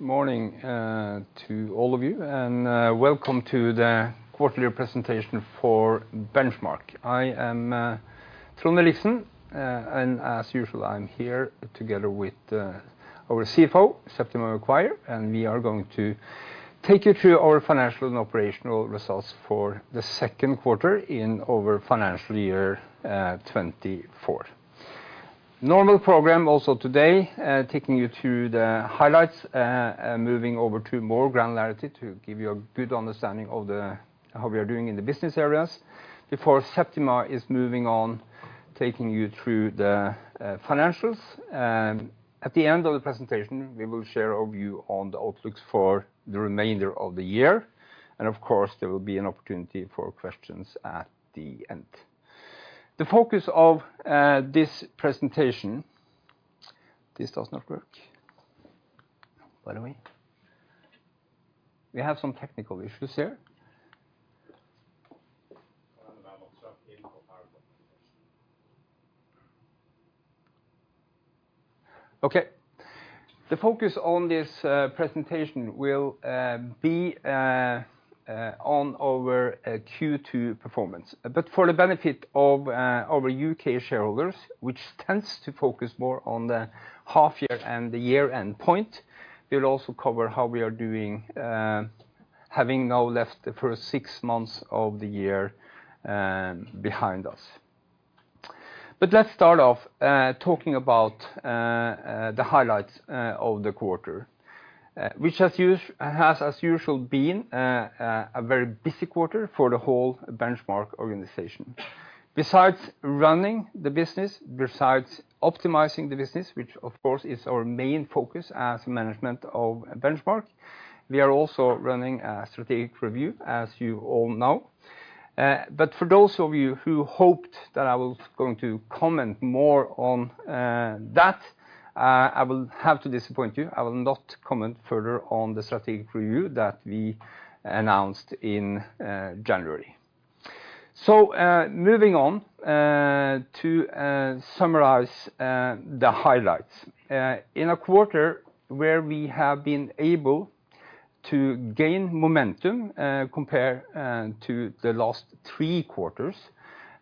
Good morning to all of you, and welcome to the quarterly presentation for Benchmark. I am Trond Williksen, and as usual, I'm here together with our CFO, Septima Maguire, and we are going to take you through our financial and operational results for the second quarter of our financial year 2024. Normal program also today, taking you through the highlights, and moving over to more granularity to give you a good understanding of the how we are doing in the business areas. Before Septima is moving on, taking you through the financials, and at the end of the presentation, we will share our view on the outlook for the remainder of the year, and of course, there will be an opportunity for questions at the end. The focus of this presentation. By the way, we have some technical issues here. Okay. The focus on this presentation will be on our Q2 performance. But for the benefit of our UK shareholders, which tends to focus more on the half year and the year-end point, we'll also cover how we are doing, having now left the first six months of the year behind us. But let's start off talking about the highlights of the quarter, which has as usual been a very busy quarter for the whole Benchmark organization. Besides running the business, besides optimizing the business, which of course is our main focus as management of Benchmark, we are also running a strategic review, as you all know. But for those of you who hoped that I was going to comment more on that, I will have to disappoint you. I will not comment further on the strategic review that we announced in January. So, moving on, to summarize, the highlights. In a quarter where we have been able to gain momentum, compared to the last three quarters,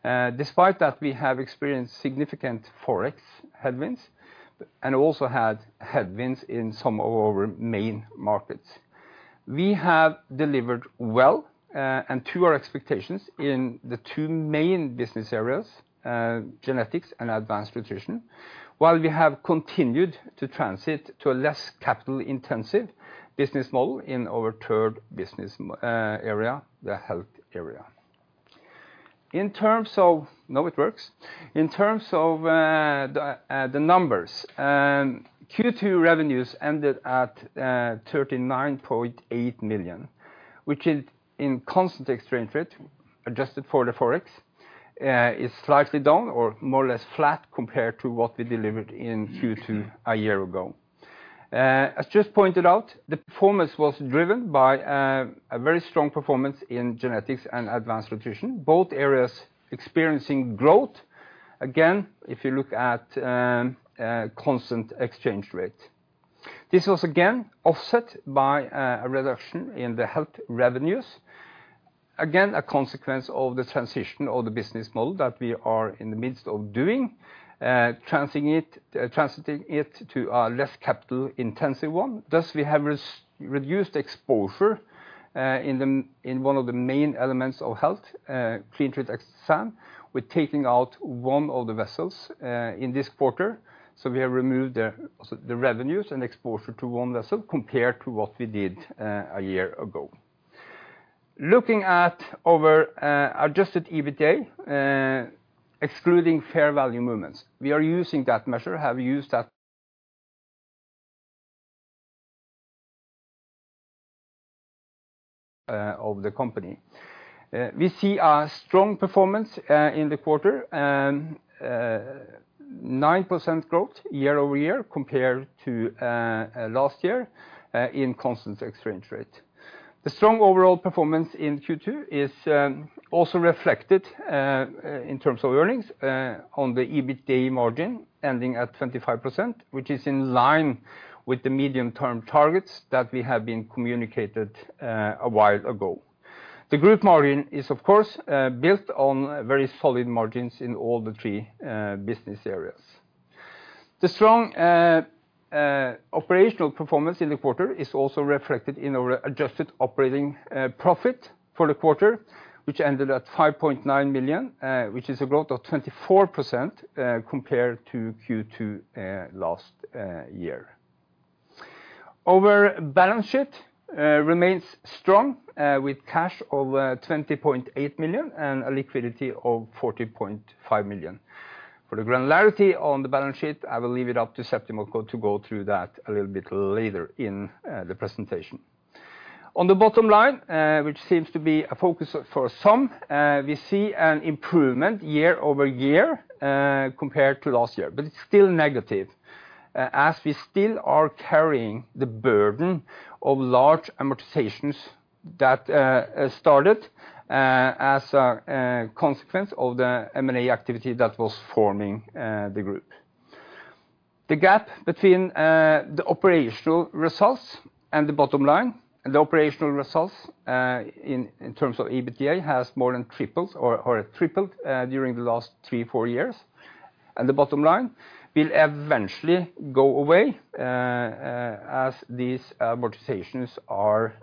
despite that, we have experienced significant Forex headwinds and also had headwinds in some of our main markets. We have delivered well, and to our expectations in the two main business areas, genetics and advanced nutrition, while we have continued to transit to a less capital-intensive business model in our third business, area, the health area. In terms of- now it works. In terms of the numbers, Q2 revenues ended at 39.8 million, which is in constant exchange rate, adjusted for the Forex, is slightly down or more or less flat compared to what we delivered in Q2 a year ago. As just pointed out, the performance was driven by a very strong performance in genetics and advanced nutrition, both areas experiencing growth. Again, if you look at constant exchange rate. This was again offset by a reduction in the health revenues. Again, a consequence of the transition of the business model that we are in the midst of doing, transiting it to a less capital-intensive one. Thus, we have reduced exposure in one of the main elements of health, CleanTreat, with taking out one of the vessels in this quarter. So we have removed the revenues and exposure to one vessel compared to what we did a year ago. Looking at our Adjusted EBITDA, excluding fair value movements, we are using that measure, have used that of the company. We see a strong performance in the quarter, 9% growth year-over-year compared to last year in constant exchange rate. The strong overall performance in Q2 is also reflected in terms of earnings on the EBITDA margin, ending at 25%, which is in line with the medium-term targets that we have been communicated a while ago. The group margin is, of course, built on very solid margins in all the three business areas. The strong operational performance in the quarter is also reflected in our adjusted operating profit for the quarter, which ended at 5.9 million, which is a growth of 24%, compared to Q2 last year. Our balance sheet remains strong, with cash of 20.8 million and a liquidity of 40.5 million. For the granularity on the balance sheet, I will leave it up to Septima to go through that a little bit later in the presentation. On the bottom line, which seems to be a focus for some, we see an improvement year-over-year, compared to last year, but it's still negative, as we still are carrying the burden of large amortizations that started as a consequence of the M&A activity that was forming the group. The gap between the operational results and the bottom line, and the operational results in terms of EBITDA, has more than tripled or tripled during the last three, four years. The bottom line will eventually go away as these amortizations are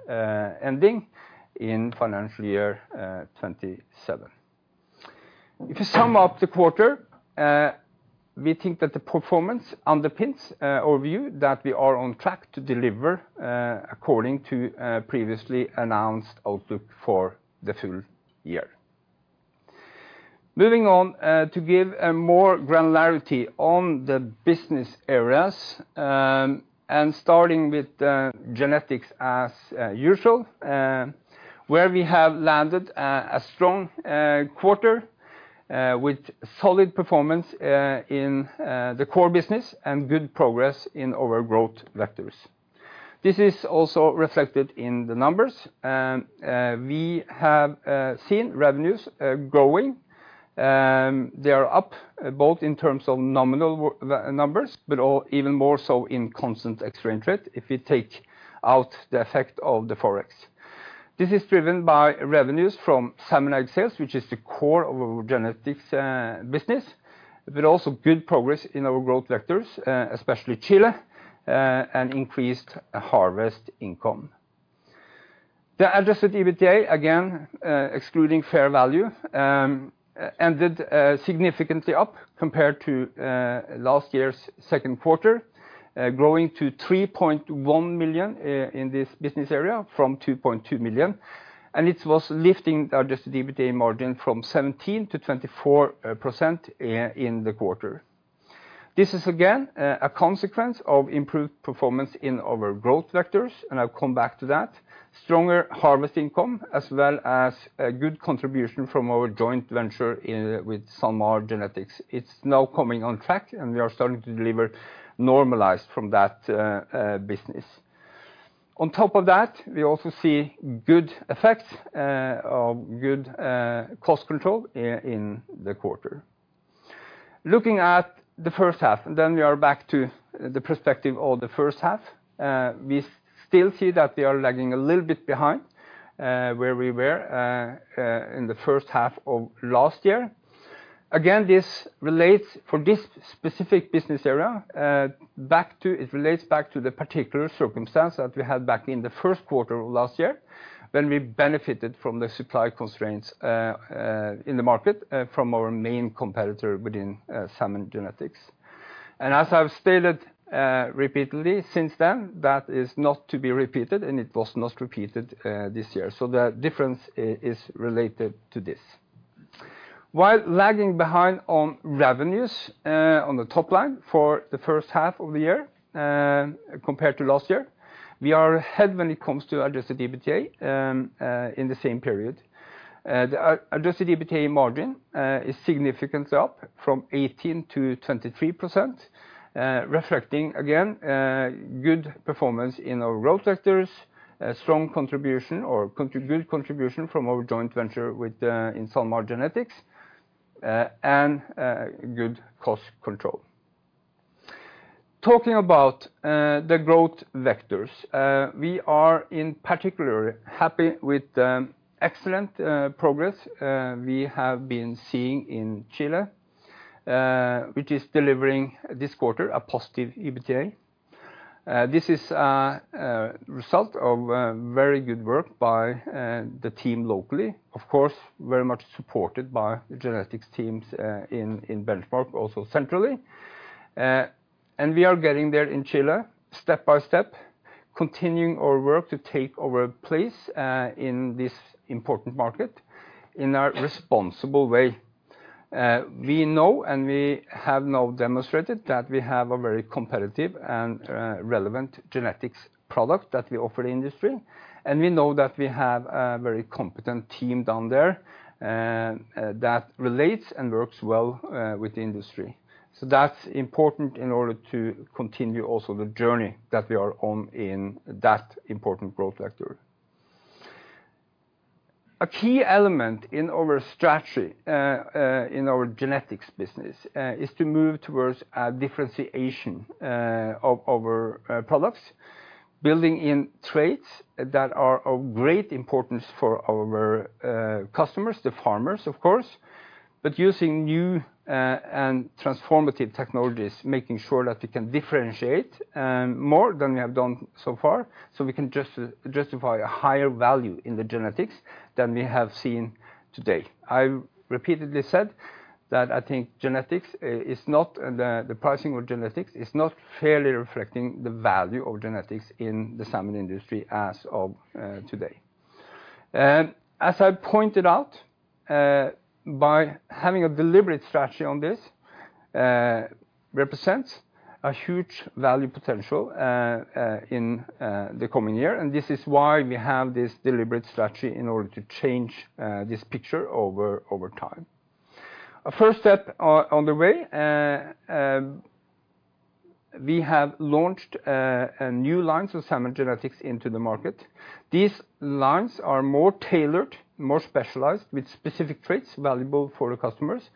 ending in financial year 2027. If you sum up the quarter, we think that the performance underpins our view that we are on track to deliver, according to previously announced outlook for the full year. Moving on, to give a more granularity on the business areas, and starting with genetics as usual, where we have landed a strong quarter with solid performance in the core business and good progress in our growth vectors. This is also reflected in the numbers, and we have seen revenues growing. They are up, both in terms of nominal numbers, but or even more so in constant exchange rate, if you take out the effect of the Forex. This is driven by revenues from salmon egg sales, which is the core of our genetics business, but also good progress in our growth vectors, especially Chile, and increased harvest income. The Adjusted EBITDA, again, excluding fair value, ended significantly up compared to last year's second quarter, growing to 3.1 million in this business area from 2.2 million, and it was lifting our Adjusted EBITDA margin from 17%-24% in the quarter. This is again a consequence of improved performance in our growth vectors, and I'll come back to that. Stronger harvest income, as well as a good contribution from our joint venture with SalMar Genetics. It's now coming on track, and we are starting to deliver normalized from that business. On top of that, we also see good effects of good cost control in the quarter. Looking at the first half, then we are back to the perspective of the first half. We still see that we are lagging a little bit behind where we were in the first half of last year. Again, this relates, for this specific business area, it relates back to the particular circumstance that we had back in the first quarter of last year, when we benefited from the supply constraints in the market from our main competitor within salmon genetics. And as I've stated repeatedly since then, that is not to be repeated, and it was not repeated this year, so the difference is related to this. While lagging behind on revenues on the top line for the first half of the year compared to last year, we are ahead when it comes to Adjusted EBITDA in the same period. The Adjusted EBITDA margin is significantly up from 18%-23%, reflecting, again, good performance in our growth vectors, a strong contribution or good contribution from our joint venture with in SalMar Genetics, and good cost control. Talking about the growth vectors, we are in particular happy with the excellent progress we have been seeing in Chile, which is delivering this quarter a positive EBITDA. This is a result of very good work by the team locally, of course, very much supported by the genetics teams in in Benchmark, also centrally. And we are getting there in Chile, step by step, continuing our work to take over place in this important market in our responsible way. We know, and we have now demonstrated, that we have a very competitive and relevant genetics product that we offer the industry, and we know that we have a very competent team down there that relates and works well with the industry. So that's important in order to continue also the journey that we are on in that important growth factor. A key element in our strategy in our genetics business is to move towards a differentiation of our products, building in traits that are of great importance for our customers, the farmers, of course, but using new and transformative technologies, making sure that we can differentiate more than we have done so far, so we can justify a higher value in the genetics than we have seen to date. I repeatedly said that I think genetics is not the pricing of genetics is not fairly reflecting the value of genetics in the salmon industry as of today. As I pointed out, by having a deliberate strategy on this, in the coming year, and this is why we have this deliberate strategy in order to change this picture over time. A first step on the way. We have launched a new lines of salmon genetics into the market. These lines are more tailored, more specialized, with specific traits valuable for the customers.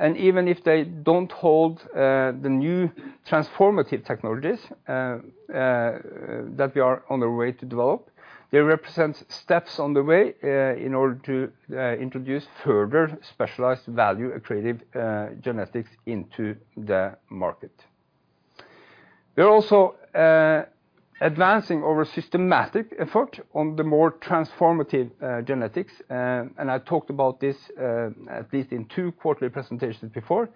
And even if they don't hold the new transformative technologies that we are on the way to develop, they represent steps on the way in order to introduce further specialized value and creative genetics into the market. We are also advancing our systematic effort on the more transformative genetics. And I talked about this at least in two quarterly presentations before,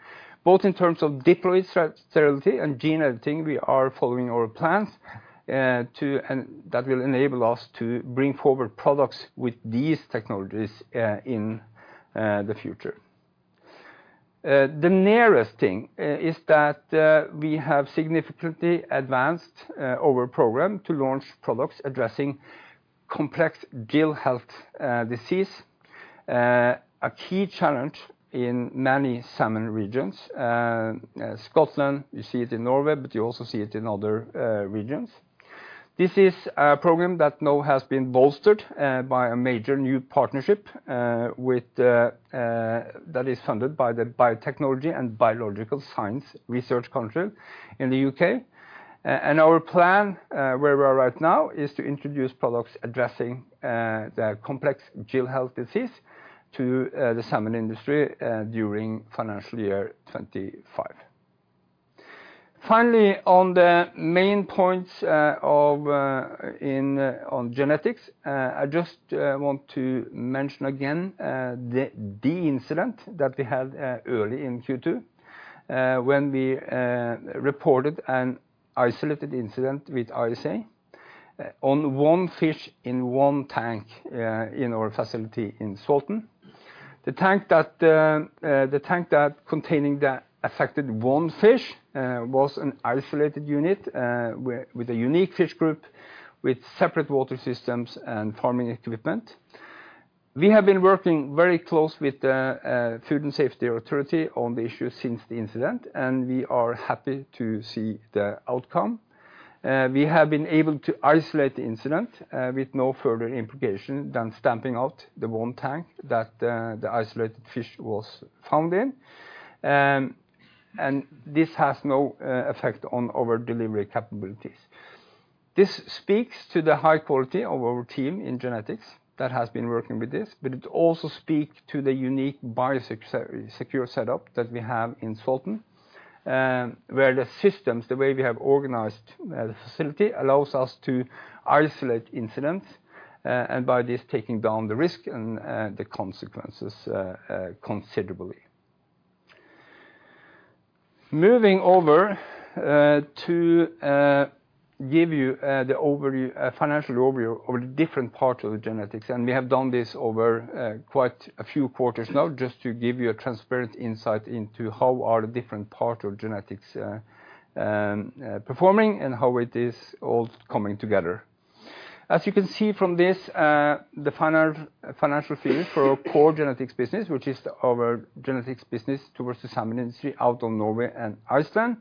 both in terms of Diploid Sterility and Gene Editing, we are following our plans, and that will enable us to bring forward products with these technologies in the future. The nearest thing is that we have significantly advanced our program to launch products addressing Complex Gill Disease, a key challenge in many salmon regions. Scotland, you see it in Norway, but you also see it in other regions. This is a program that now has been bolstered by a major new partnership with the BBSRC that is funded by the Biotechnology and Biological Sciences Research Council in the UK. Our plan, where we are right now, is to introduce products addressing the Complex Gill Disease to the salmon industry during financial year 2025. Finally, on the main points on genetics, I just want to mention again the incident that we had early in Q2, when we reported an isolated incident with ISA on one fish in one tank in our facility in Salten. The tank that containing the affected one fish was an isolated unit with a unique fish group with separate water systems and farming equipment. We have been working very close with the Food Safety Authority on the issue since the incident, and we are happy to see the outcome. We have been able to isolate the incident, with no further implication than stamping out the one tank that the isolated fish was found in. And this has no effect on our delivery capabilities. This speaks to the high quality of our team in genetics that has been working with this, but it also speak to the unique biosecure setup that we have in Salten, where the systems, the way we have organized the facility, allows us to isolate incidents, and by this, taking down the risk and the consequences considerably. Moving over to give you the overview financial overview of the different parts of the genetics, and we have done this over quite a few quarters now, just to give you a transparent insight into how are the different parts of genetics performing and how it is all coming together. As you can see from this, the final financial figure for our core genetics business, which is our genetics business towards the salmon industry out on Norway and Iceland,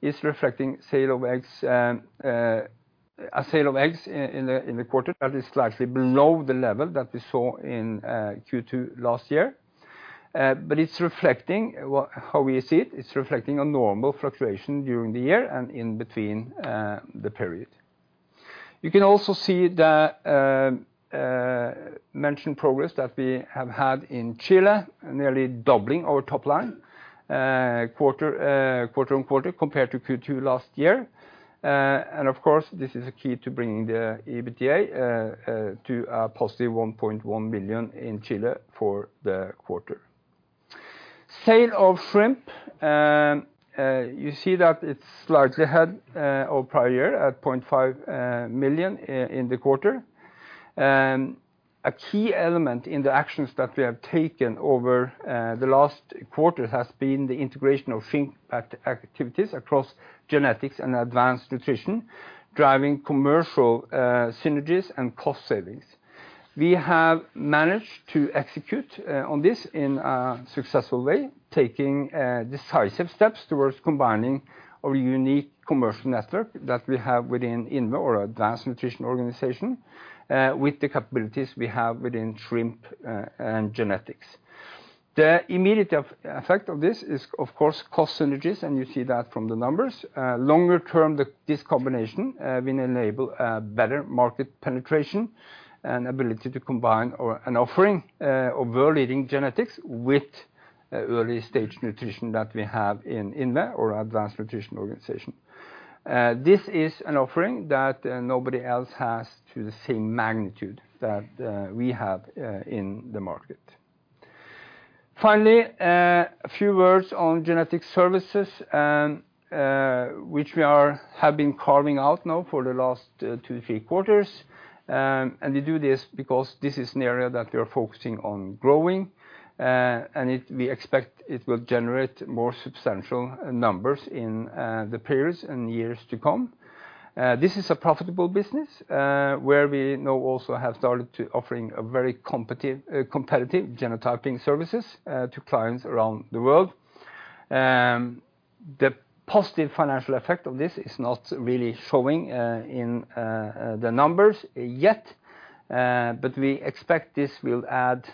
is reflecting sale of eggs, a sale of eggs in the quarter that is slightly below the level that we saw in Q2 last year. But it's reflecting well, how we see it, it's reflecting a normal fluctuation during the year and in between the period. You can also see the mentioned progress that we have had in Chile, nearly doubling our top line quarter-over-quarter, compared to Q2 last year. And of course, this is a key to bringing the EBITDA to a positive 1.1 million in Chile for the quarter. Sales of shrimp, you see that it's slightly ahead of prior year at 0.5 million in the quarter. A key element in the actions that we have taken over the last quarter has been the integration of shrimp activities across genetics and advanced nutrition, driving commercial synergies and cost savings. We have managed to execute on this in a successful way, taking decisive steps towards combining our unique commercial network that we have within INVE or Advanced Nutrition organization with the capabilities we have within shrimp and genetics. The immediate effect of this is, of course, cost synergies, and you see that from the numbers. Longer term, this combination will enable a better market penetration and ability to combine our an offering of world-leading genetics with early-stage nutrition that we have in INVE or Advanced Nutrition organization. This is an offering that nobody else has to the same magnitude that we have in the market. Finally, a few words on genetic services and which we have been carving out now for the last two, three quarters. And we do this because this is an area that we are focusing on growing, and we expect it will generate more substantial numbers in the periods and years to come. This is a profitable business, where we now also have started to offering a very competitive genotyping services to clients around the world. The positive financial effect of this is not really showing in the numbers yet, but we expect this will add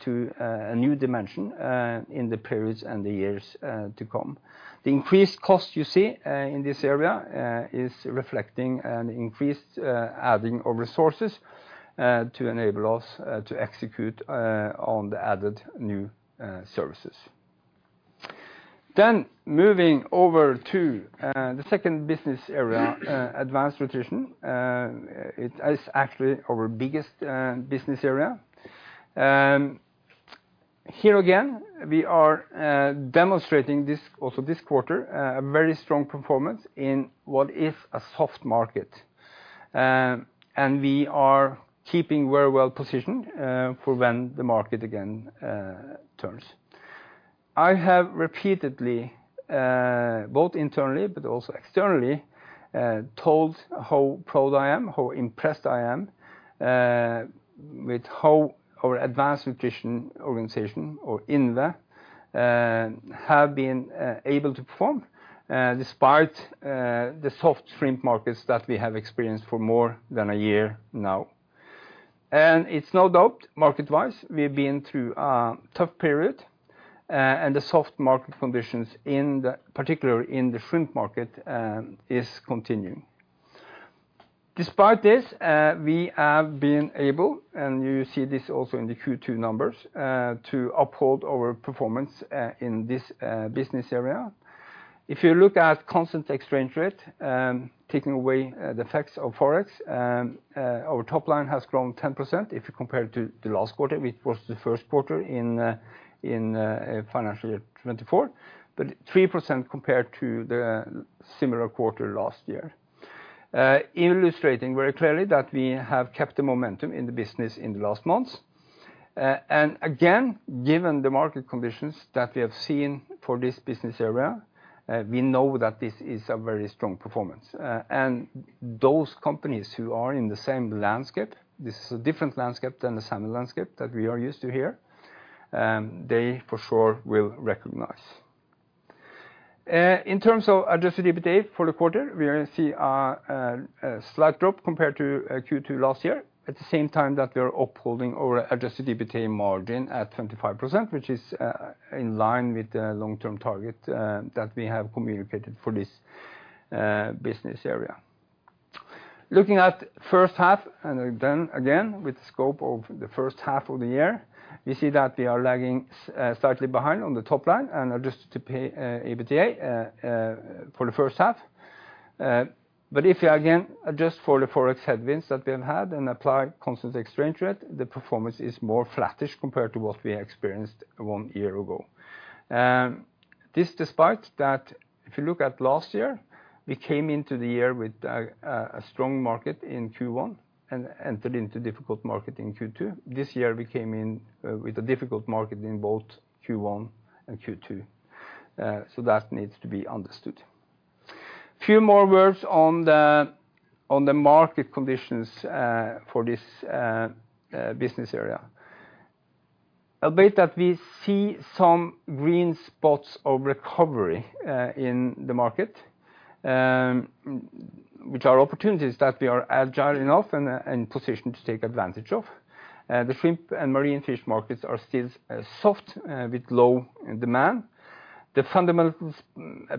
to a new dimension in the periods and the years to come. The increased cost you see in this area is reflecting an increased adding of resources to enable us to execute on the added new services. Then moving over to the second business area, advanced nutrition. It is actually our biggest business area. Here again, we are demonstrating this, also this quarter, a very strong performance in what is a soft market. And we are keeping very well positioned for when the market again turns. I have repeatedly both internally but also externally told how proud I am, how impressed I am with how our advanced nutrition organization, or INVE, have been able to perform despite the soft shrimp markets that we have experienced for more than a year now. And it's no doubt, market-wise, we've been through a tough period, and the soft market conditions in the particularly in the shrimp market is continuing. Despite this, we have been able, and you see this also in the Q2 numbers, to uphold our performance in this business area. If you look at constant exchange rate, taking away the effects of Forex, our top line has grown 10% if you compare it to the last quarter, which was the first quarter in financial year 2024, but 3% compared to the similar quarter last year. Illustrating very clearly that we have kept the momentum in the business in the last months. And again, given the market conditions that we have seen for this business area, we know that this is a very strong performance. Those companies who are in the same landscape, this is a different landscape than the same landscape that we are used to here, they for sure will recognize. In terms of adjusted EBITDA for the quarter, we see a slight drop compared to Q2 last year, at the same time that we are upholding our adjusted EBITDA margin at 25%, which is in line with the long-term target that we have communicated for this business area. Looking at first half, and then again, with the scope of the first half of the year, we see that we are lagging slightly behind on the top line and adjusted EBITDA for the first half. But if you again adjust for the Forex headwinds that we have had and apply constant exchange rate, the performance is more flattish compared to what we experienced one year ago. This despite that, if you look at last year, we came into the year with a strong market in Q1 and entered into difficult market in Q2. This year, we came in with a difficult market in both Q1 and Q2. So that needs to be understood. Few more words on the market conditions for this business area update that we see some green spots of recovery in the market, which are opportunities that we are agile enough and positioned to take advantage of. The shrimp and marine fish markets are still soft with low demand. The fundamentals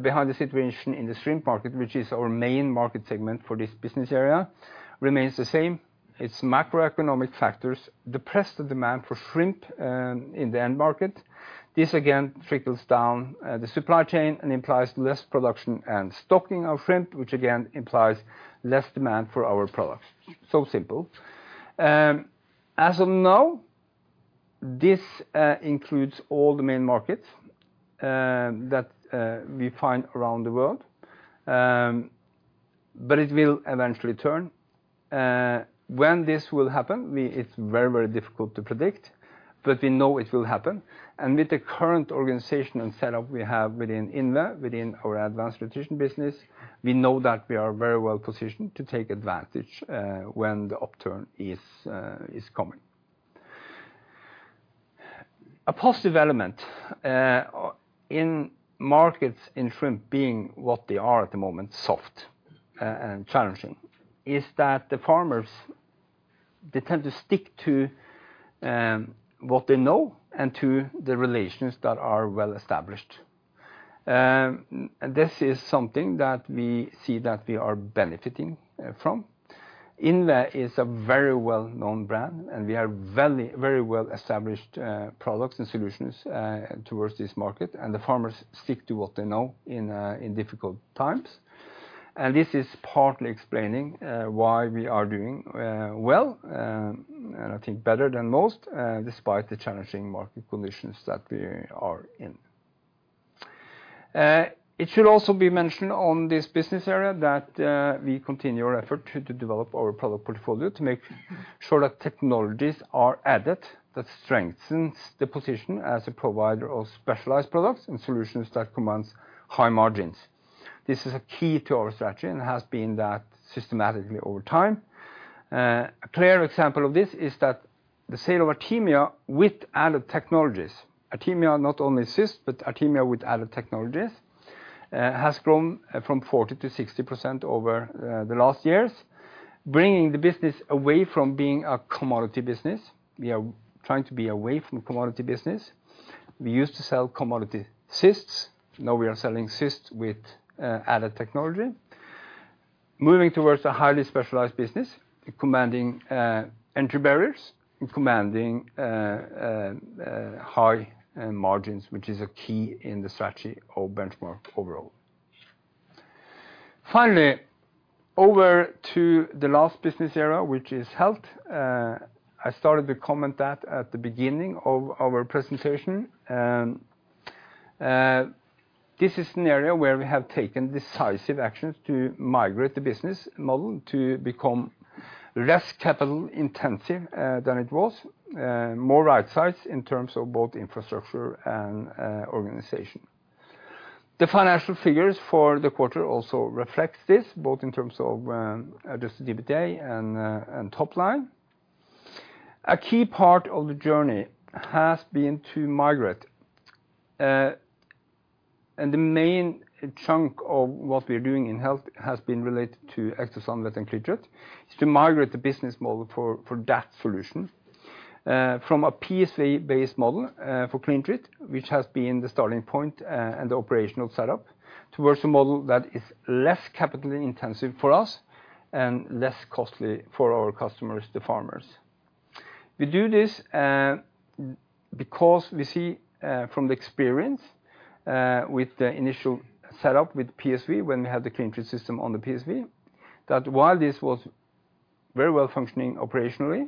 behind the situation in the shrimp market, which is our main market segment for this business area, remains the same. Its macroeconomic factors depress the demand for shrimp in the end market. This again trickles down the supply chain and implies less production and stocking of shrimp, which again implies less demand for our products. So simple. As of now, this includes all the main markets that we find around the world. But it will eventually turn. When this will happen, it's very, very difficult to predict, but we know it will happen. And with the current organization and setup we have within INVE, within our advanced nutrition business, we know that we are very well positioned to take advantage when the upturn is coming. A positive element, in markets, in shrimp being what they are at the moment, soft, and challenging, is that the farmers, they tend to stick to, what they know and to the relations that are well established. This is something that we see that we are benefiting, from. INVE is a very well-known brand, and we are very, very well established, products and solutions, towards this market, and the farmers stick to what they know in, in difficult times. And this is partly explaining, why we are doing, well, and I think better than most, despite the challenging market conditions that we are in. It should also be mentioned on this business area that we continue our effort to develop our product portfolio to make sure that technologies are added that strengthens the position as a provider of specialized products and solutions that commands high margins. This is a key to our strategy, and it has been that systematically over time. A clear example of this is that the sale of Artemia with added technologies, Artemia not only cysts, but Artemia with added technologies, has grown from 40%-60% over the last years, bringing the business away from being a commodity business. We are trying to be away from commodity business. We used to sell commodity cysts, now we are selling cysts with added technology. Moving towards a highly specialized business, commanding entry barriers and commanding high margins, which is a key in the strategy of Benchmark overall. Finally, over to the last business area, which is health. I started to comment that at the beginning of our presentation. This is an area where we have taken decisive actions to migrate the business model to become less capital-intensive than it was, more right-sized in terms of both infrastructure and organization. The financial figures for the quarter also reflects this, both in terms of Adjusted EBITDA and top line. A key part of the journey has been to migrate, and the main chunk of what we are doing in health has been related to Ectosan Vet and CleanTreat, is to migrate the business model for, for that solution, from a PSV-based model, for CleanTreat, which has been the starting point, and the operational setup, towards a model that is less capital intensive for us and less costly for our customers, the farmers. We do this, because we see, from the experience, with the initial setup with PSV, when we had the CleanTreat system on the PSV, that while this was very well functioning operationally,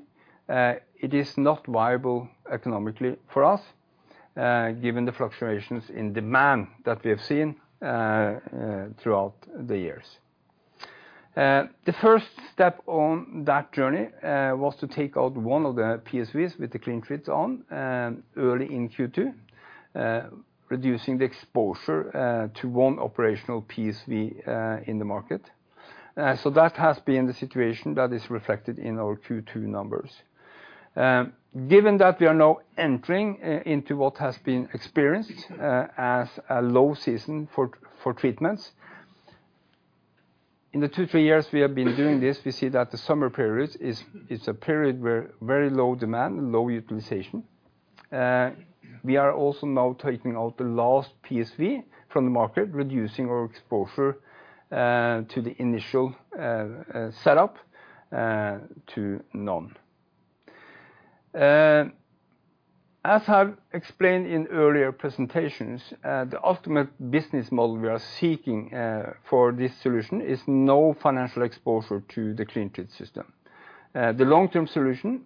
it is not viable economically for us, given the fluctuations in demand that we have seen, throughout the years. The first step on that journey was to take out one of the PSVs with the CleanTreat on early in Q2, reducing the exposure to one operational PSV in the market. So that has been the situation that is reflected in our Q2 numbers. Given that we are now entering into what has been experienced as a low season for treatments, in the two, three years we have been doing this, we see that the summer period is a period where very low demand, low utilization. We are also now taking out the last PSV from the market, reducing our exposure to the initial setup to none. As I've explained in earlier presentations, the ultimate business model we are seeking for this solution is no financial exposure to the CleanTreat system. The long-term solution,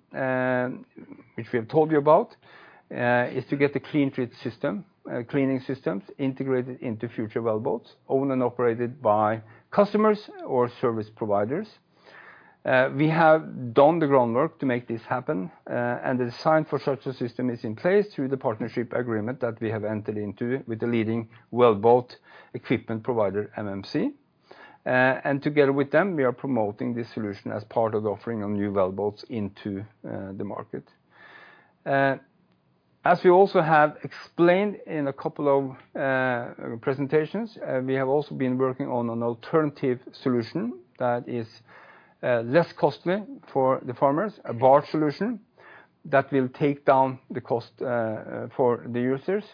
which we have told you about, is to get the CleanTreat system, cleaning systems, integrated into future wellboats, owned and operated by customers or service providers. We have done the groundwork to make this happen, and the design for such a system is in place through the partnership agreement that we have entered into with the leading wellboat equipment provider, MMC First Process. Together with them, we are promoting this solution as part of the offering on new wellboats into the market. As we also have explained in a couple of presentations, we have also been working on an alternative solution that is less costly for the farmers, a barge solution that will take down the cost for the users.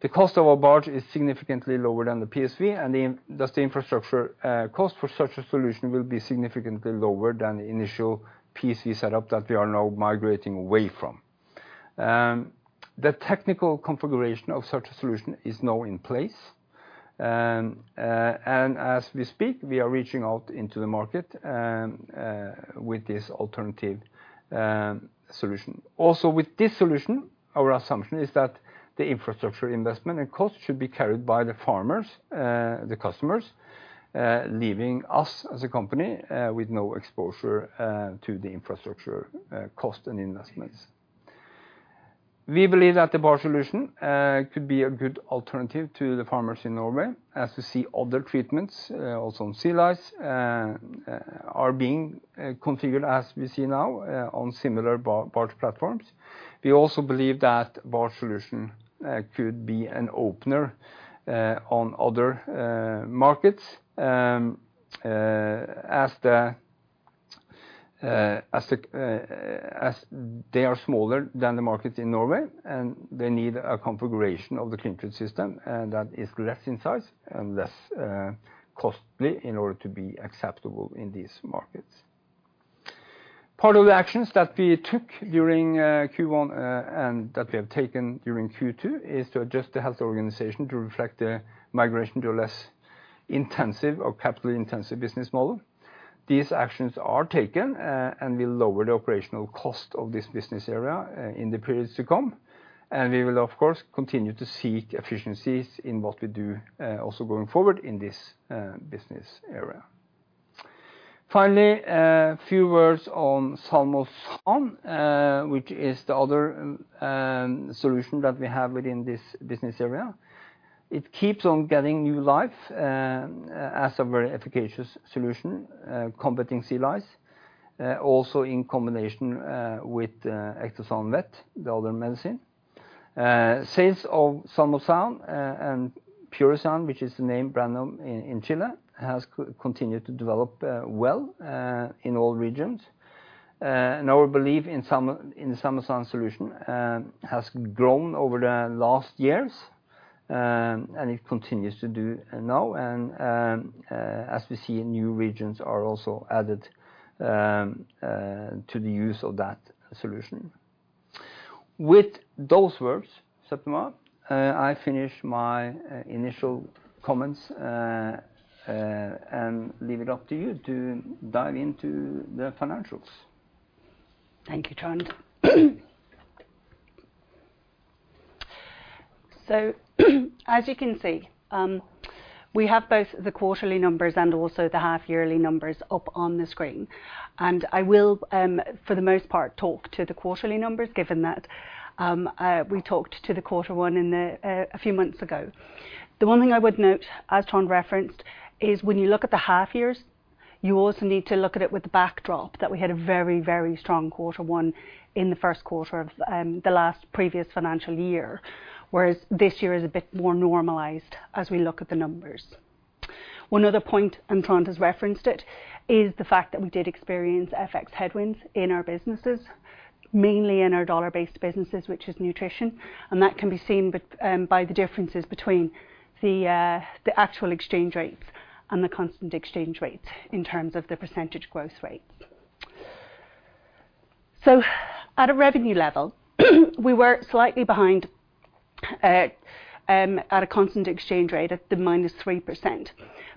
The cost of a barge is significantly lower than the PSV, and just the infrastructure cost for such a solution will be significantly lower than the initial PSV setup that we are now migrating away from. The technical configuration of such a solution is now in place. And as we speak, we are reaching out into the market with this alternative solution. Also, with this solution, our assumption is that the infrastructure investment and cost should be carried by the farmers, the customers, leaving us, as a company, with no exposure to the infrastructure cost and investments. We believe that the barge solution could be a good alternative to the farmers in Norway, as we see other treatments also on sea lice are being configured as we see now on similar barge platforms. We also believe that barge solution could be an opener on other markets as they are smaller than the markets in Norway, and they need a configuration of the CleanTreat system that is less in size and less costly in order to be acceptable in these markets. Part of the actions that we took during Q1 and that we have taken during Q2 is to adjust the health organization to reflect the migration to a less intensive or capital-intensive business model. These actions are taken and will lower the operational cost of this business area in the periods to come, and we will, of course, continue to seek efficiencies in what we do, also going forward in this business area.... Finally, a few words on Salmosan Vet, which is the other solution that we have within this business area. It keeps on getting new life, as a very efficacious solution, combating sea lice, also in combination, with Ectosan Vet, the other medicine. Sales of Salmosan Vet, and Purisan, which is the name brand, in Chile, has continued to develop, well, in all regions. And our belief in the Salmosan Vet solution, has grown over the last years, and it continues to do now. And, as we see, new regions are also added, to the use of that solution. With those words, Septima, I finish my initial comments, and leave it up to you to dive into the financials. Thank you, Trond. So as you can see, we have both the quarterly numbers and also the half yearly numbers up on the screen. And I will, for the most part, talk to the quarterly numbers, given that we talked to the quarter one in a few months ago. The one thing I would note, as Trond referenced, is when you look at the half years, you also need to look at it with the backdrop that we had a very, very strong quarter one in the first quarter of the last previous financial year, whereas this year is a bit more normalized as we look at the numbers. One other point, and Trond has referenced it, is the fact that we did experience FX headwinds in our businesses, mainly in our dollar-based businesses, which is nutrition, and that can be seen by the differences between the, the actual exchange rates and the constant exchange rates in terms of the percentage growth rates. So at a revenue level, we were slightly behind, at a constant exchange rate at the -3%,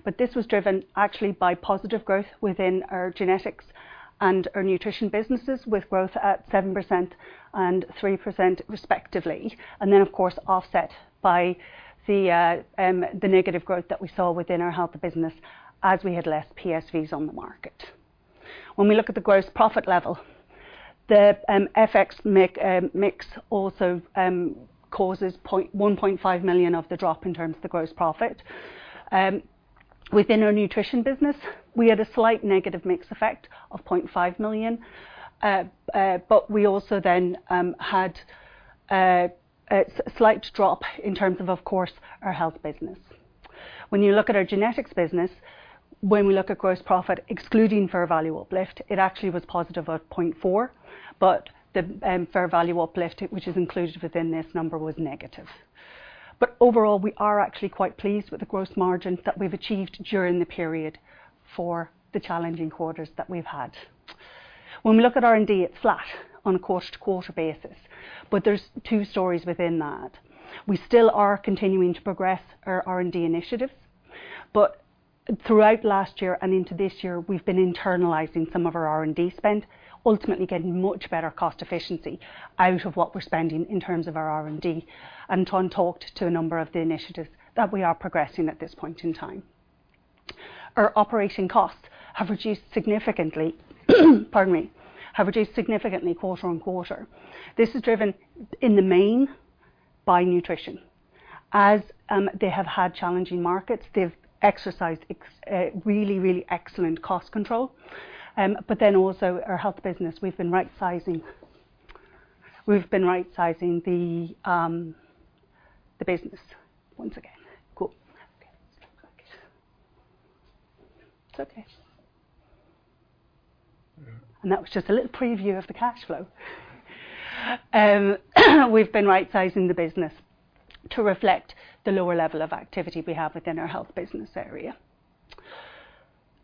but this was driven actually by positive growth within our genetics and our nutrition businesses, with growth at 7% and 3%, respectively. And then, of course, offset by the, the negative growth that we saw within our health business as we had less PSVs on the market. When we look at the gross profit level, the FX mix also causes 1.5 million of the drop in terms of the gross profit. Within our nutrition business, we had a slight negative mix effect of 0.5 million, but we also then had a slight drop in terms of, of course, our health business. When you look at our genetics business, when we look at gross profit, excluding fair value uplift, it actually was positive at 0.4, but the fair value uplift, which is included within this number, was negative. But overall, we are actually quite pleased with the gross margin that we've achieved during the period for the challenging quarters that we've had. When we look at R&D, it's flat on a quarter-to-quarter basis, but there's two stories within that. We still are continuing to progress our R&D initiatives, but throughout last year and into this year, we've been internalizing some of our R&D spend, ultimately getting much better cost efficiency out of what we're spending in terms of our R&D, and Trond talked to a number of the initiatives that we are progressing at this point in time. Our operating costs have reduced significantly, pardon me, have reduced significantly quarter-on-quarter. This is driven, in the main, by nutrition. As they have had challenging markets, they've exercised really, really excellent cost control. But then also our health business, we've been rightsizing, we've been rightsizing the, the business once again. Cool. Okay. It's okay. Yeah. That was just a little preview of the cash flow. We've been rightsizing the business to reflect the lower level of activity we have within our health business area.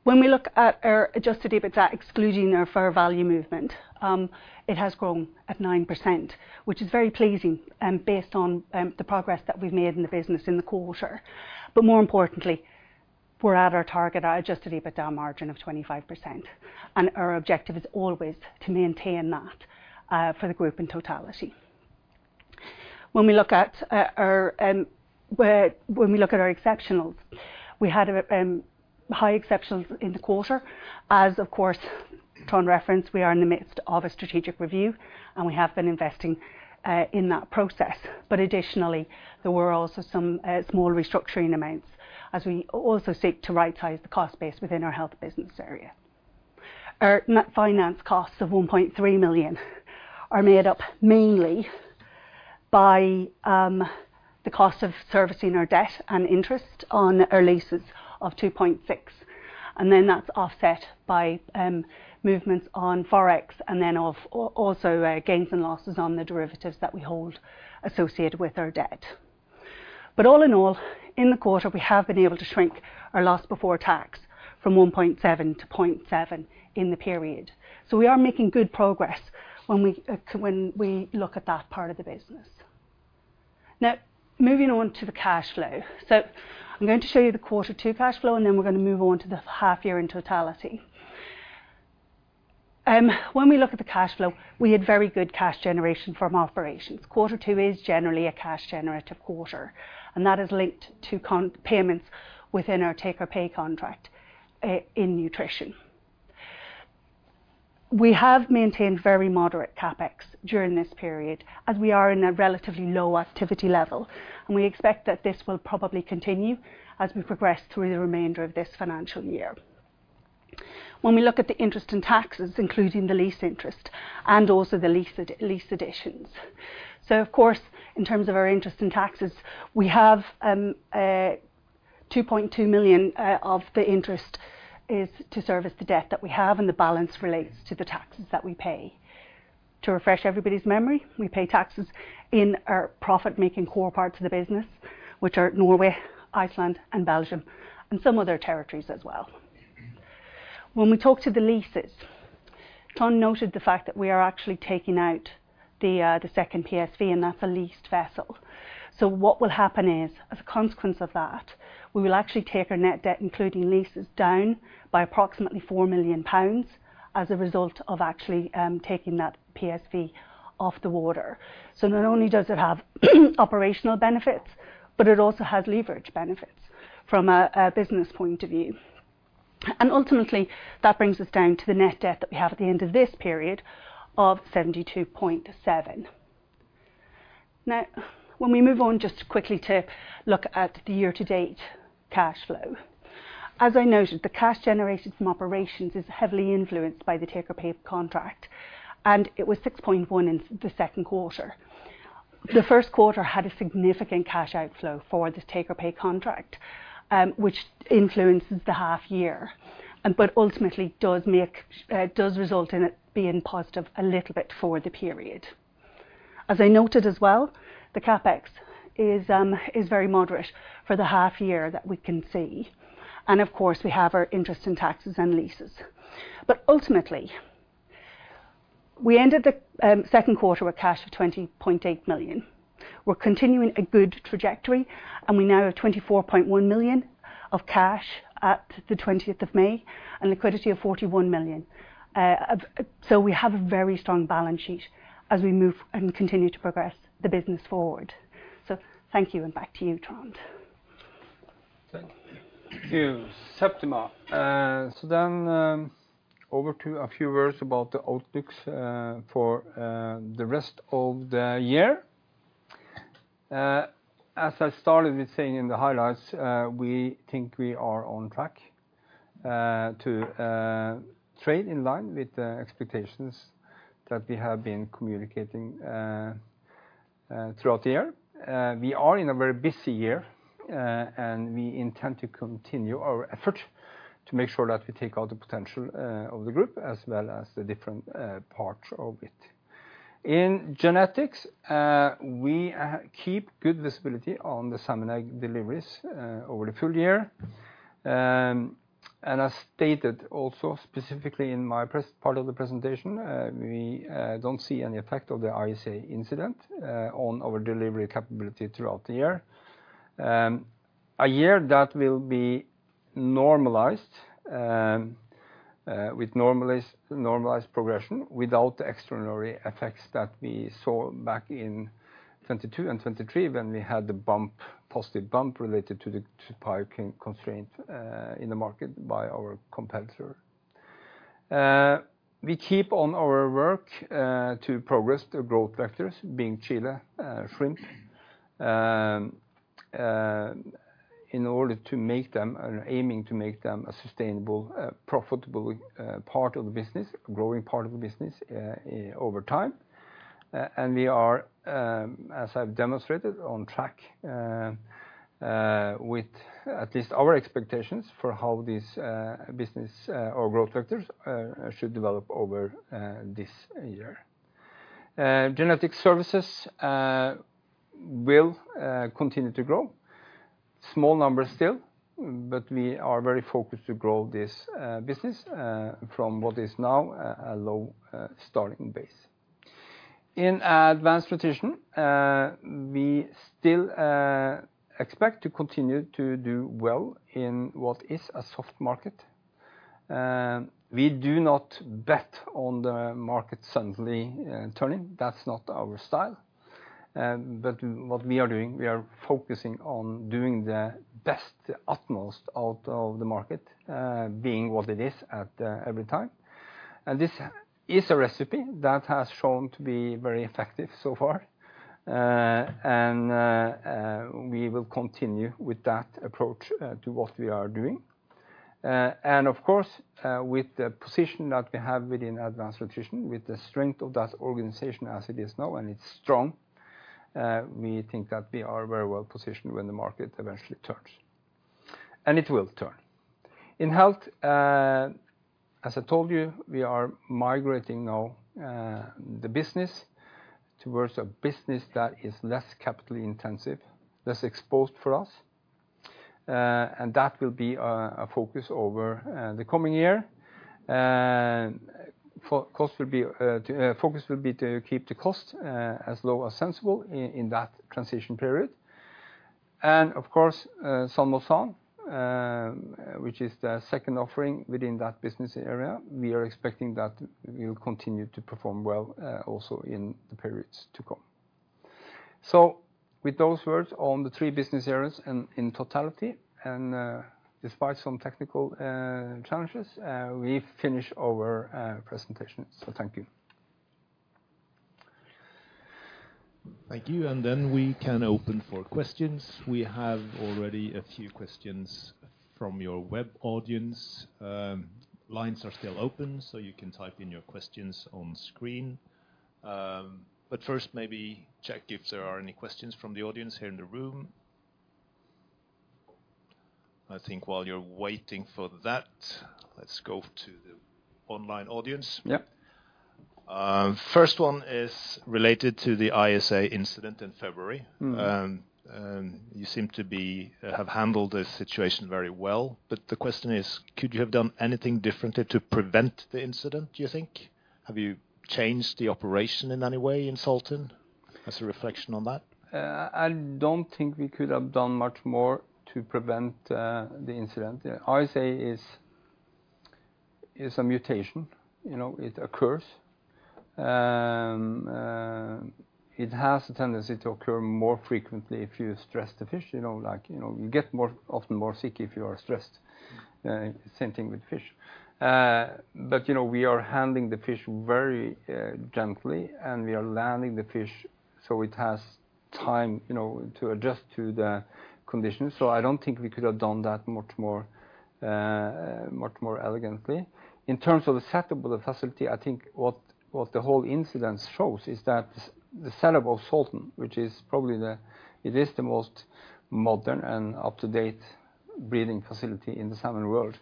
When we look at our Adjusted EBITDA, excluding our fair value movement, it has grown at 9%, which is very pleasing, based on the progress that we've made in the business in the quarter. But more importantly, we're at our target, our Adjusted EBITDA margin of 25%, and our objective is always to maintain that, for the group in totality. When we look at our exceptionals, we had high exceptionals in the quarter as, of course, Trond referenced, we are in the midst of a strategic review, and we have been investing in that process. But additionally, there were also some small restructuring amounts as we also seek to rightsize the cost base within our health business area. Our net finance costs of 1.3 million are made up mainly by the cost of servicing our debt and interest on our leases of 2.6 million, and then that's offset by movements on Forex, and then also gains and losses on the derivatives that we hold associated with our debt. But all in all, in the quarter, we have been able to shrink our loss before tax from 1.7 million to 0.7 million in the period. So we are making good progress when we when we look at that part of the business. Now, moving on to the cash flow. So I'm going to show you the quarter two cash flow, and then we're going to move on to the half year in totality... When we look at the cash flow, we had very good cash generation from operations. Quarter two is generally a cash generative quarter, and that is linked to payments within our take-or-pay contract in nutrition. We have maintained very moderate CapEx during this period, as we are in a relatively low activity level, and we expect that this will probably continue as we progress through the remainder of this financial year. When we look at the interest in taxes, including the lease interest and also the lease additions. So of course, in terms of our interest in taxes, we have 2.2 million of the interest is to service the debt that we have, and the balance relates to the taxes that we pay. To refresh everybody's memory, we pay taxes in our profit-making core parts of the business, which are Norway, Iceland, and Belgium, and some other territories as well. When we talk to the leases, Trond noted the fact that we are actually taking out the second PSV, and that's a leased vessel. So what will happen is, as a consequence of that, we will actually take our net debt, including leases, down by approximately 4 million pounds as a result of actually taking that PSV off the water. So not only does it have operational benefits, but it also has leverage benefits from a business point of view. And ultimately, that brings us down to the net debt that we have at the end of this period of 72.7 million. Now, when we move on just quickly to look at the year-to-date cash flow. As I noted, the cash generated from operations is heavily influenced by the take-or-pay contract, and it was 6.1 million in the second quarter. The first quarter had a significant cash outflow for the take-or-pay contract, which influences the half year, but ultimately, does result in it being positive a little bit for the period. As I noted as well, the CapEx is very moderate for the half year that we can see, and of course, we have our interest in taxes and leases. But ultimately, we ended the second quarter with cash of 20.8 million. We're continuing a good trajectory, and we now have 24.1 million of cash at the twentieth of May and liquidity of 41 million. So we have a very strong balance sheet as we move and continue to progress the business forward. So thank you, and back to you, Trond. Thank you, Septima. So then, over to a few words about the outlooks for the rest of the year. As I started with saying in the highlights, we think we are on track to trade in line with the expectations that we have been communicating throughout the year. We are in a very busy year, and we intend to continue our effort to make sure that we take all the potential of the group, as well as the different parts of it. In genetics, we keep good visibility on the salmon egg deliveries over the full year. And as stated also specifically in my part of the presentation, we don't see any effect of the ISA incident on our delivery capability throughout the year. A year that will be normalized with normalized progression without extraordinary effects that we saw back in 2022 and 2023, when we had the bump, positive bump related to the supply constraint in the market by our competitor. We keep on our work to progress the growth vectors, being Chile, shrimp, in order to make them, and aiming to make them a sustainable profitable part of the business, growing part of the business over time. And we are, as I've demonstrated, on track with at least our expectations for how this business or growth vectors should develop over this year. Genetic services will continue to grow. Small numbers still, but we are very focused to grow this business from what is now a low starting base. In advanced nutrition, we still expect to continue to do well in what is a soft market. We do not bet on the market suddenly turning. That's not our style. But what we are doing, we are focusing on doing the best, the utmost out of the market being what it is at every time. And this is a recipe that has shown to be very effective so far. And we will continue with that approach to what we are doing. And of course, with the position that we have within advanced nutrition, with the strength of that organization as it is now, and it's strong, we think that we are very well positioned when the market eventually turns. And it will turn. In health, as I told you, we are migrating now the business towards a business that is less capitally intensive, less exposed for us, and that will be our focus over the coming year. Focus will be to keep the cost as low as sensible in that transition period. And of course, Salmosan, which is the second offering within that business area, we are expecting that will continue to perform well, also in the periods to come. So with those words on the three business areas and in totality, and despite some technical challenges, we finish our presentation. So thank you. Thank you, and then we can open for questions. We have already a few questions from your web audience. Lines are still open, so you can type in your questions on screen. But first, maybe check if there are any questions from the audience here in the room. I think while you're waiting for that, let's go to the online audience. Yeah. First one is related to the ISA incident in February. Mm. You seem to be-- have handled the situation very well, but the question is: could you have done anything differently to prevent the incident, do you think? Have you changed the operation in any way in Salten as a reflection on that? I don't think we could have done much more to prevent the incident. ISA is a mutation, you know, it occurs. It has a tendency to occur more frequently if you stress the fish, you know, like, you know, you get more, often more sick if you are stressed, same thing with fish. But you know, we are handling the fish very gently, and we are landing the fish, so it has time, you know, to adjust to the conditions. So I don't think we could have done that much more, much more elegantly. In terms of the setup of the facility, I think what the whole incident shows is that the setup of Salten, which is probably the... It is the most modern and up-to-date breeding facility in the salmon world.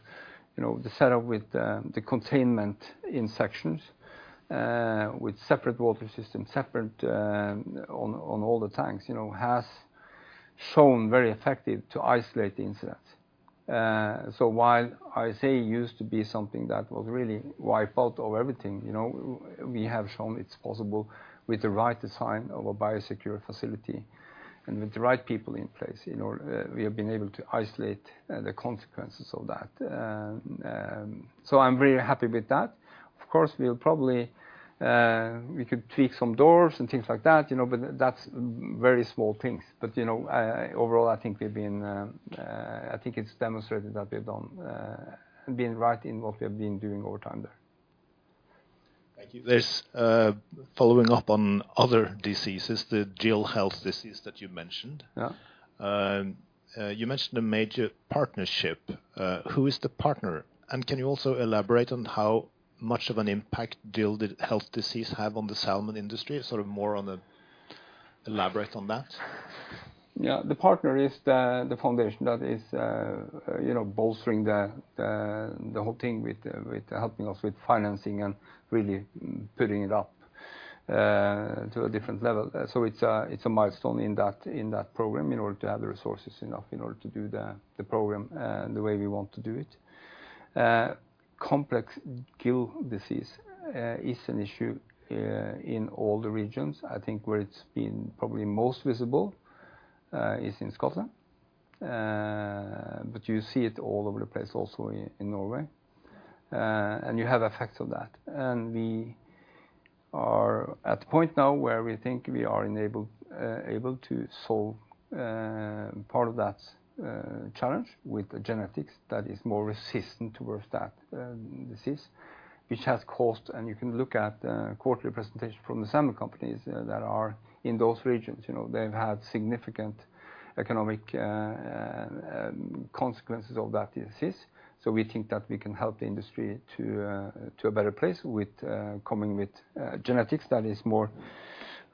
You know, the setup with the containment in sections with separate water systems, separate on all the tanks, you know, has shown very effective to isolate the incident. So while ISA used to be something that would really wipe out all everything, you know, we have shown it's possible with the right design of a biosecure facility and with the right people in place, you know, we have been able to isolate the consequences of that. So I'm very happy with that. Of course, we'll probably we could tweak some doors and things like that, you know, but that's very small things. But, you know, overall, I think we've been I think it's demonstrated that we've done been right in what we have been doing over time there. Thank you. There's, following up on other diseases, the gill health disease that you mentioned. Yeah. You mentioned a major partnership. Who is the partner? And can you also elaborate on how much of an impact gill health disease have on the salmon industry? Elaborate on that. Yeah. The partner is the foundation that is, you know, bolstering the whole thing with helping us with financing and really putting it up to a different level. So it's a milestone in that program, in order to have the resources enough, in order to do the program the way we want to do it. Complex Gill Disease is an issue in all the regions. I think where it's been probably most visible is in Scotland. But you see it all over the place also in Norway, and you have effects of that. We are at the point now where we think we are enabled, able to solve part of that challenge with the genetics that is more resistant towards that disease, which has cost, and you can look at quarterly presentation from the salmon companies that are in those regions. You know, they've had significant economic consequences of that disease. So we think that we can help the industry to a better place with coming with genetics that is more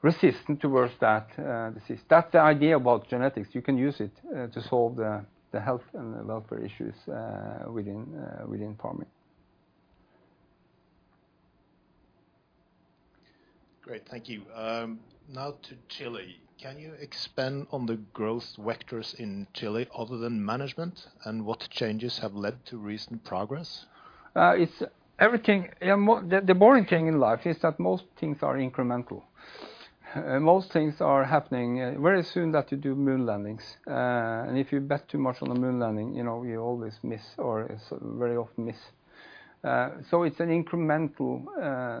resistant towards that disease. That's the idea about genetics. You can use it to solve the health and the welfare issues within farming. Great. Thank you. Now to Chile. Can you expand on the growth vectors in Chile other than management, and what changes have led to recent progress? It's everything... Yeah, the boring thing in life is that most things are incremental. Most things are happening very soon that you do moon landings. And if you bet too much on the moon landing, you know, you always miss or it's very often miss. So it's an incremental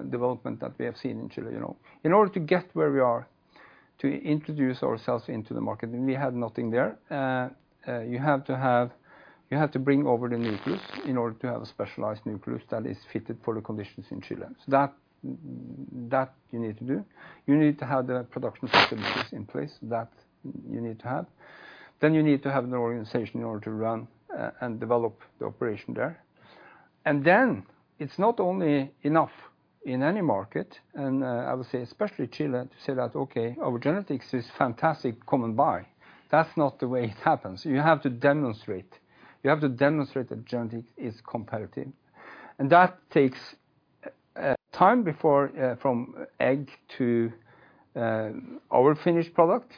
development that we have seen in Chile, you know. In order to get where we are, to introduce ourselves into the market, and we had nothing there, you have to bring over the nucleus in order to have a specialized nucleus that is fitted for the conditions in Chile. So that you need to do. You need to have the production facilities in place that you need to have. Then you need to have an organization in order to run and develop the operation there. It's not only enough in any market, and I would say especially Chile, to say that, "Okay, our genetics is fantastic. Come and buy." That's not the way it happens. You have to demonstrate. You have to demonstrate that genetics is competitive, and that takes time before from egg to our finished product,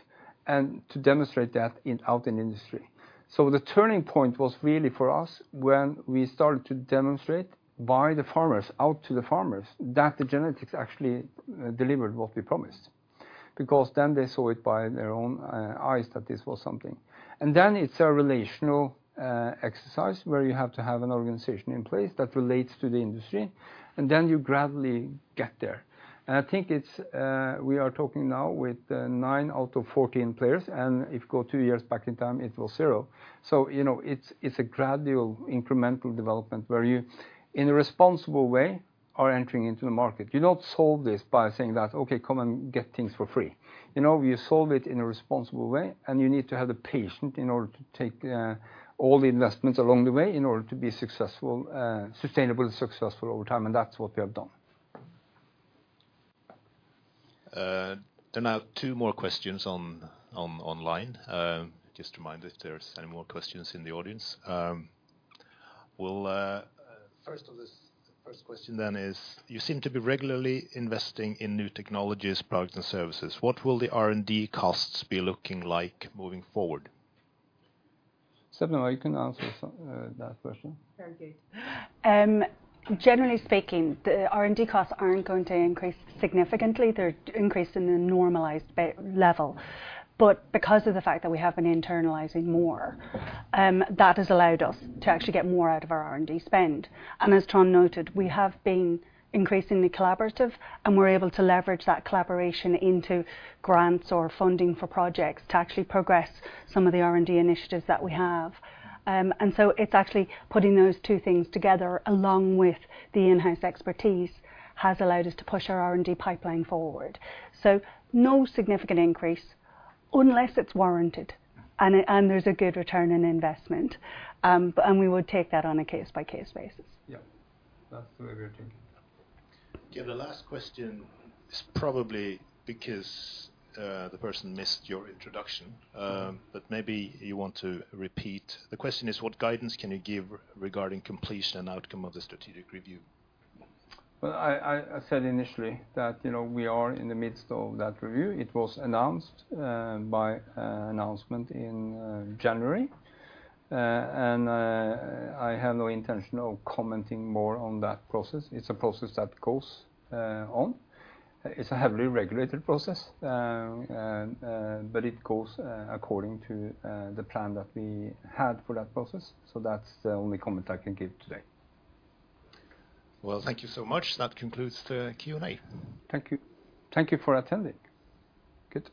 and to demonstrate that out in industry. So the turning point was really for us, when we started to demonstrate by the farmers, out to the farmers, that the genetics actually delivered what we promised. Because then they saw it by their own eyes that this was something. And then it's a relational exercise, where you have to have an organization in place that relates to the industry, and then you gradually get there. I think it's we are talking now with nine out of 14 players, and if you go two years back in time, it was zero. So, you know, it's a gradual incremental development where you, in a responsible way, are entering into the market. You don't solve this by saying that, "Okay, come and get things for free." You know, you solve it in a responsible way, and you need to have the patience in order to take all the investments along the way in order to be successful, sustainable and successful over time, and that's what we have done. There are now two more questions online. Just to remind if there's any more questions in the audience. We'll first question then is: You seem to be regularly investing in new technologies, products, and services. What will the R&D costs be looking like moving forward? Septima, you can answer some, that question. Thank you. Generally speaking, the R&D costs aren't going to increase significantly. They're increased in a normalized base level. But because of the fact that we have been internalizing more, that has allowed us to actually get more out of our R&D spend. And as Trond noted, we have been increasingly collaborative, and we're able to leverage that collaboration into grants or funding for projects to actually progress some of the R&D initiatives that we have. And so it's actually putting those two things together, along with the in-house expertise, has allowed us to push our R&D pipeline forward. So no significant increase, unless it's warranted, and there's a good return on investment. But we would take that on a case-by-case basis. Yeah, that's a very good thing. Yeah, the last question is probably because, the person missed your introduction, but maybe you want to repeat. The question is: What guidance can you give regarding completion and outcome of the strategic review? Well, I said initially that, you know, we are in the midst of that review. It was announced by an announcement in January. I have no intention of commenting more on that process. It's a process that goes on. It's a heavily regulated process. But it goes according to the plan that we had for that process, so that's the only comment I can give today. Well, thank you so much. That concludes the Q&A. Thank you. Thank you for attending. Good day.